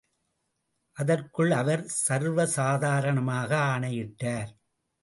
அதற்குள் அவர் சர்வசாதாரணமாக ஆணையிட்டார்.